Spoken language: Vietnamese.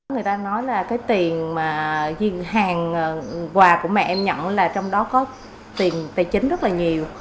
người ta nói là cái tiền hàng quà của mẹ em nhận là trong đó có tiền tài chính rất là nhiều